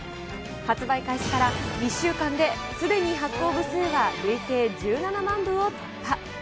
発売開始から１週間ですでに発行部数は累計１７万部を突破。